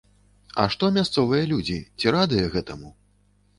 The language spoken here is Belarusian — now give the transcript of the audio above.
А што мясцовыя людзі, ці радыя гэтаму?